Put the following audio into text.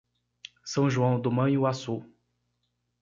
São João do Manhuaçu